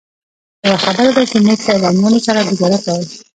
یوه خبره ده چې موږ سیلانیانو سره ګوزاره کوئ.